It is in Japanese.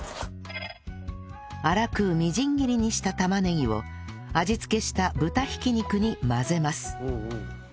粗くみじん切りにした玉ねぎを味付けした豚挽き肉に混ぜます